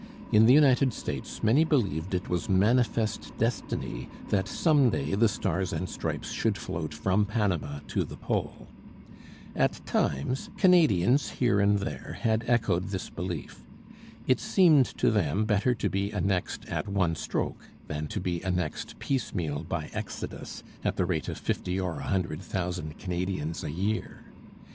In the United States many believed it was 'manifest destiny' that some day the Stars and Stripes should float from Panama to the Pole. At times Canadians here and there had echoed this belief. It seemed to them better to be annexed at one stroke than to be annexed piecemeal by exodus, at the rate of fifty or a hundred thousand Canadians a year.